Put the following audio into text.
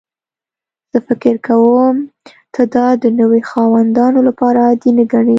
زه فکر کوم ته دا د نوي خاوندانو لپاره عادي نه ګڼې